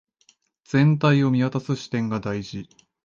全体を見渡す視点が大事